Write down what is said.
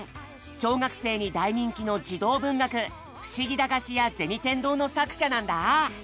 小学生に大人気の児童文学「ふしぎ駄菓子屋銭天堂」の作者なんだ。